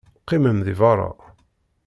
Qqimem deg beṛṛa!